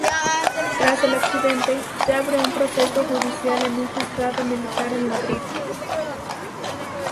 Tras el accidente, se abre un proceso judicial en un Juzgado Militar en Madrid.